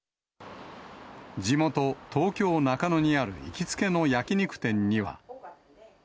地元、東京・中野にある行きつけの焼き肉店には。